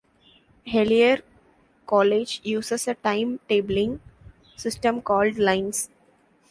Hellyer college uses a time tabling system called lines.